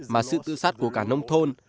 mà sự tự sát của cả nông thôn